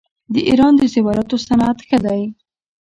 د ایران د زیوراتو صنعت ښه دی.